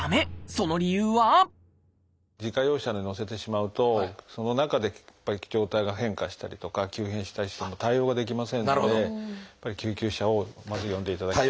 その理由は自家用車に乗せてしまうとその中で状態が変化したりとか急変したりしても対応ができませんのでやっぱり救急車をまず呼んでいただきたい。